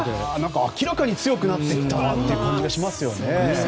明らかに強くなってきたなって感じがしますよね。